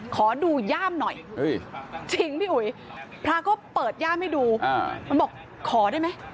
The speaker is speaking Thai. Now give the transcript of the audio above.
ขอดูย่ามหน่อยจริงพี่อุ๋ยพระก็เปิดย่ามให้ดูมันบอกขอได้ไหม